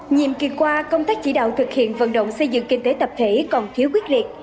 nhiệm kỳ qua công tác chỉ đạo thực hiện vận động xây dựng kinh tế tập thể còn thiếu quyết liệt